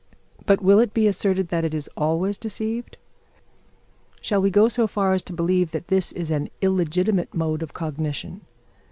But will it be asserted that it is always deceived? Shall we go so far as to believe that this is an illegitimate mode of cognition?